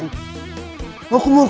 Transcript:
ngapain kalian masuk rumah dua duaan